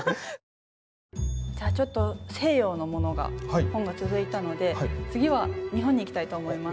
じゃあちょっと西洋のものが本が続いたので次は日本に行きたいと思います。